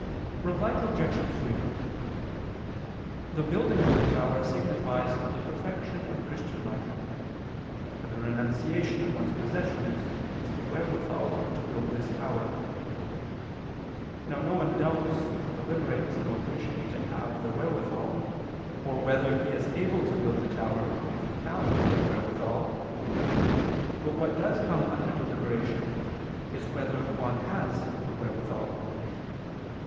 Reply Obj. 3: The building of the tower signifies the perfection of Christian life; and the renunciation of one's possessions is the wherewithal to build this tower. Now no one doubts or deliberates about wishing to have the wherewithal, or whether he is able to build the tower if he have the wherewithal, but what does come under deliberation is whether one has the wherewithal.